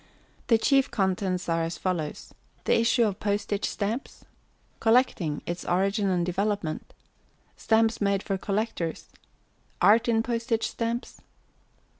The chief contents are as follows: The Issue of Postage Stamps. Collecting Its Origin and Development. Stamps made for Collectors. Art in Postage Stamps.